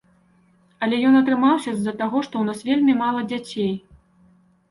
Але ён атрымаўся з-за таго, што ў нас вельмі мала дзяцей.